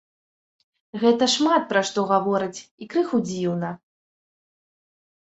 Гэта шмат пра што гаворыць і крыху дзіўна.